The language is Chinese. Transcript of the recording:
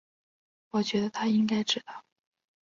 我觉得他应该知道